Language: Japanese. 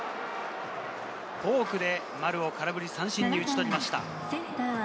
フォークで丸を空振り三振に打ち取りました。